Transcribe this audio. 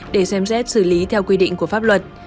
để xem xét xử lý theo quy định của pháp luật